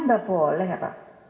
gak boleh apa